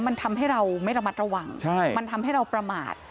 มันทำให้เราไม่ระมัดระวังมันทำให้เราประมาท